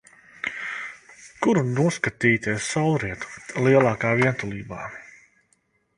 Kur noskatīties saulrietu lielākā vientulībā.